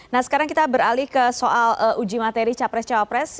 nah sekarang kita beralih ke soal uji materi capres cawapres